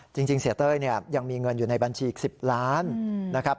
จริงเสียเต้ยยังมีเงินอยู่ในบัญชี๑๐ล้านนะครับ